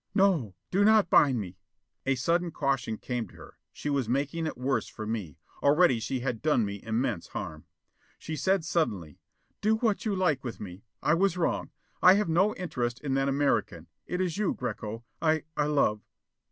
"No, do not bind me." A sudden caution came to her. She was making it worse for me. Already she had done me immense harm. She said suddenly, "Do what you like with me. I was wrong. I have no interest in that American. It is you, Greko, I I love."